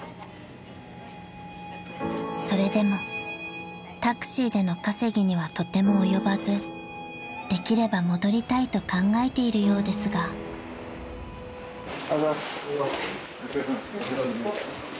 ［それでもタクシーでの稼ぎにはとても及ばずできれば戻りたいと考えているようですが］で？